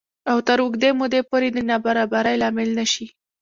او تر اوږدې مودې پورې د نابرابرۍ لامل نه شي